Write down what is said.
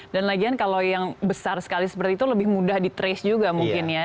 dan lagian kalau yang besar sekali seperti itu lebih mudah di trace juga mungkin ya